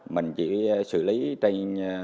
mình chỉ xử lý